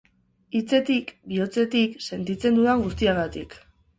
hitzetik, bihotzetik, sentitzen dudan guztiagatik.